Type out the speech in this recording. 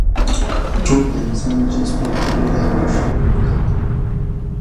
ټول د انسان جنس پورې تړلي او بشري موجودات وو.